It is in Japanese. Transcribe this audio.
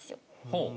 ほう。